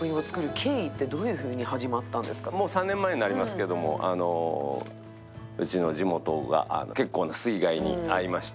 もう３年前になりますけれどもうちの地元が結構な水害に遭いまして。